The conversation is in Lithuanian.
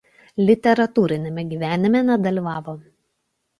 Literatūriniame gyvenime nedalyvavo.